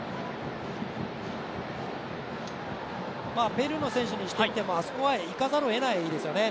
ペルーの選手にしてみてもあそこはいかざるをえないですよね。